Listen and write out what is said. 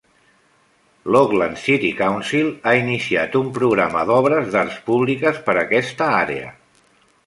L'Auckland City Council ha iniciat un programa d'obres d'art públiques per a aquesta àrea.